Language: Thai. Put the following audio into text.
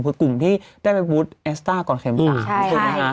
คือกลุ่มที่ได้ไปบูชแอสตาร์ก่อนเข็มกับไฟเซอร์นะครับ